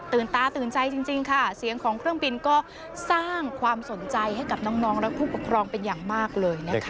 ตาตื่นใจจริงค่ะเสียงของเครื่องบินก็สร้างความสนใจให้กับน้องและผู้ปกครองเป็นอย่างมากเลยนะคะ